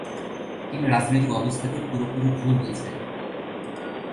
তিনি রাজনৈতিক অবস্থাকে পুরোপুরি ভুল বোঝেন।